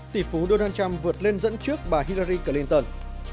tỷ phú donald trump vượt lên dẫn trước bà hilery clinton